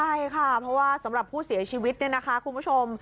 ใช่ค่ะเพราะว่าสำหรับผู้เสียชีวิตเนี่ยนะคะคุณผู้ชม